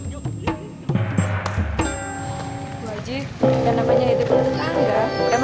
tuh haji yang namanya hidup untuk angga